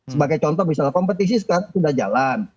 sebagai contoh misalnya kompetisi sekarang sudah jalan